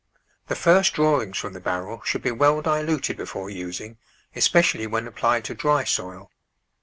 The first drawings from the barrel should be well diluted before using, especially when applied to dry soil.